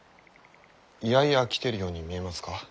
いやいや来てるように見えますか？